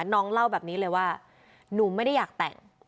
น้องเล่าแบบนี้เลยว่าหนูไม่ได้อยากแต่ง